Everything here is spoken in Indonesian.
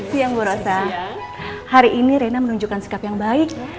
siang bu rosa hari ini rena menunjukkan sikap yang baik